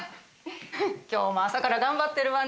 今日も朝から頑張ってるわね。